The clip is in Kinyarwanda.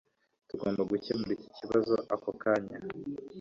Tugomba gukemura iki kibazo ako kanya.